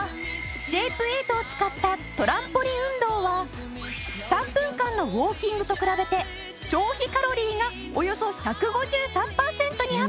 シェイプエイトを使ったトランポリン運動は３分間のウォーキングと比べて消費カロリーがおよそ１５３パーセントにアップ！